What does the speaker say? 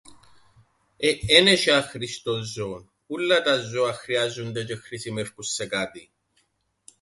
Ε... Εν έσ̆ει άχρηστον ζώον. Ούλλα τα ζώα χρειάζουνται τζ̆αι χρησιμεύκουν σε κάτι...